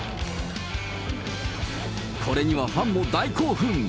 これにはファンも大興奮。